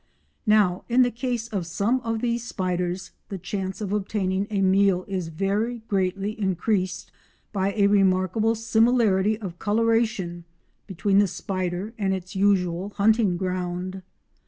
Now in the case of some of these spiders the chance of obtaining a meal is very greatly increased by a remarkable similarity of coloration between the spider and its usual hunting ground.